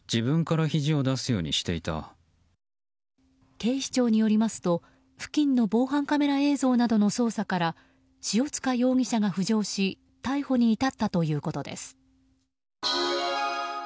警視庁によりますと、付近の防犯カメラ映像などの捜査から塩塚容疑者が浮上し逮捕に至ったということです。